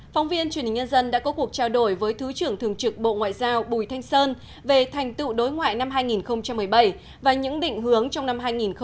phóng viên truyền hình nhân dân đã có cuộc trao đổi với thứ trưởng thường trực bộ ngoại giao bùi thanh sơn về thành tựu đối ngoại năm hai nghìn một mươi bảy và những định hướng trong năm hai nghìn một mươi chín